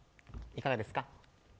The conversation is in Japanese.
いかがですか。